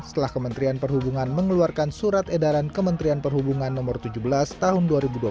setelah kementerian perhubungan mengeluarkan surat edaran kementerian perhubungan no tujuh belas tahun dua ribu dua puluh